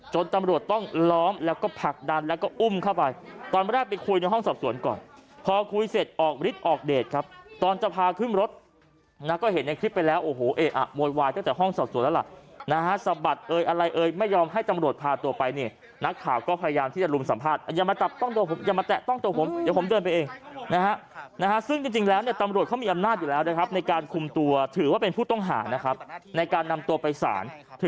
จนตำรวจต้องล้อมแล้วก็ผลักดันแล้วก็อุ้มเข้าไปตอนแรกไปคุยในห้องสอบสวนก่อนพอคุยเสร็จออกฤทธิ์ออกเดทครับตอนจะพาขึ้นรถนะก็เห็นในคลิปไปแล้วโอ้โหเอออ่ะโมยวายตั้งแต่ห้องสอบสวนแล้วล่ะนะฮะสะบัดเอ่ยอะไรเอ่ยไม่ยอมให้ตำรวจพาตัวไปเนี่ยนักข่าวก็พยายามที่จะลุมสัมภาษณ์อย่ามาตับต